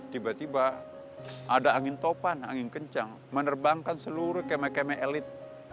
tiba tiba ada angin topan angin kencang menerbangkan seluruh keme keme elit